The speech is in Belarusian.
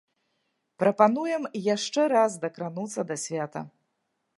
Прапануем яшчэ раз дакрануцца да свята.